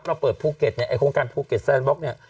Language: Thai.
เราเปิดภูเก็ตเนี่ยไอโครงการภูเก็ตแซนบล็อกเนี่ย